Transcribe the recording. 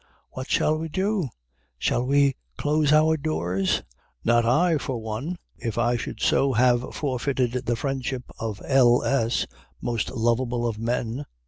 What shall we do? Shall we close our doors? Not I, for one, if I should so have forfeited the friendship of L. S., most lovable of men.